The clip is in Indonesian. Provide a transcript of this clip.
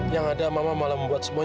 yang ada mama malah membuat semuanya